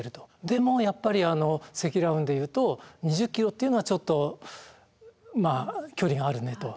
でもやっぱり積乱雲でいうと２０キロっていうのはちょっとまあ距離があるねと。